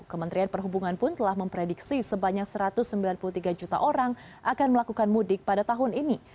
kementerian perhubungan pun telah memprediksi sebanyak satu ratus sembilan puluh tiga juta orang akan melakukan mudik pada tahun ini